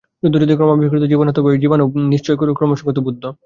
বুদ্ধ যদি ক্রমবিকশিত জীবাণু হন, তবে ঐ জীবাণুও নিশ্চয়ই ক্রমসঙ্কুচিত বুদ্ধ।